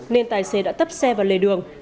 nên tài xế đã tấp xe vào lề đường